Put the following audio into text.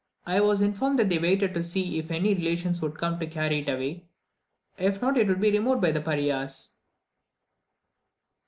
I was informed that they waited to see if any relations would come to carry it away, if not it would be removed by the pariahs.